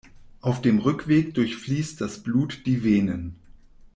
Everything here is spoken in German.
Auf dem Rückweg durchfließt das Blut die Venen.